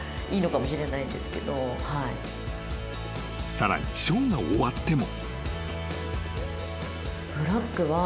［さらにショーが終わっても］